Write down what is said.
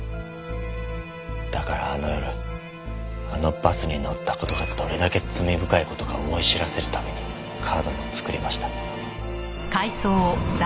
だからあの夜あのバスに乗った事がどれだけ罪深い事か思い知らせるためにカードも作りました。